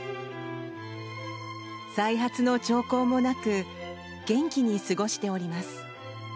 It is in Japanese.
再発の兆候もなく元気に過ごしております。